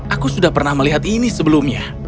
aku sudah pernah melihat ini sebelumnya